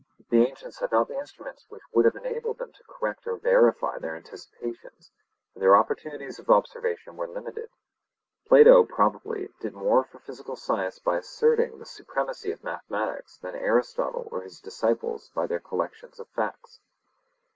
The ancients had not the instruments which would have enabled them to correct or verify their anticipations, and their opportunities of observation were limited. Plato probably did more for physical science by asserting the supremacy of mathematics than Aristotle or his disciples by their collections of facts.